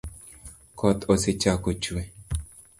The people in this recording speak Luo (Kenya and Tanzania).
Koth osechako chue